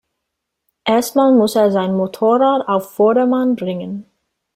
Erst mal muss er sein Motorrad auf Vordermann bringen.